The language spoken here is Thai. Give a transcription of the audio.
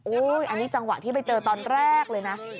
อันนี้จังหวะที่ไปเจอตอนแรกเลยนะ